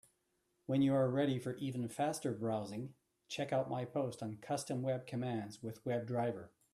When you are ready for even faster browsing, check out my post on Custom web commands with WebDriver.